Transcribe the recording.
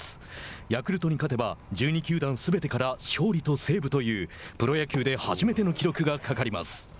ヤクルトに勝てば１２球団すべてから勝利とセーブというプロ野球で初めての記録がかかります。